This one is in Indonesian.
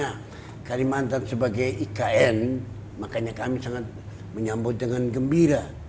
karena kalimantan sebagai ikn makanya kami sangat menyambut dengan gembira